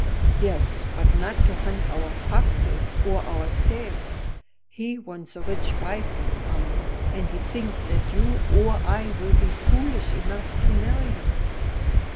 "Yes, but not to hunt our foxes or our stags. He wants a rich wife, mamma. And he thinks that you or I will be foolish enough to marry him."